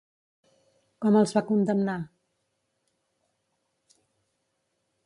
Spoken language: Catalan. Com els va condemnar?